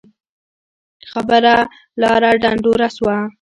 خبره لاړه ډنډوره سوه